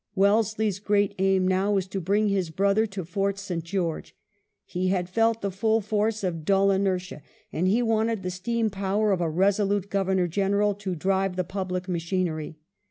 Wellesley's great aim now was to bring his brother to Fort St. George. He had felt the full force of dull inertia, and he wanted the steam power of a resolute Governor General to drive the public machinery.